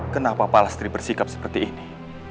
kenapa palastri bersikap seperti ini